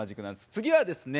次はですね